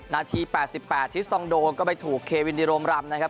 นาที๘๘ทิสตองโดก็ไปถูกเควินดิโรมรำนะครับ